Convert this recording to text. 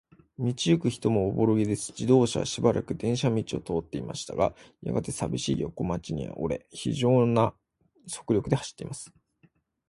道ゆく人もおぼろげです。自動車はしばらく電車道を通っていましたが、やがて、さびしい横町に折れ、ひじょうな速力で走っています。